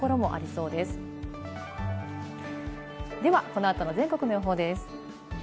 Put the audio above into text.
この後の全国の予報です。